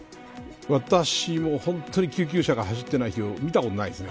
私も本当に救急車が走っていないのを見たことないですね。